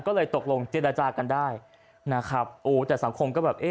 ก็เลยตกลงเจรจากันได้นะครับโอ้แต่สังคมก็แบบเอ๊